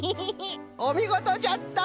おみごとじゃった！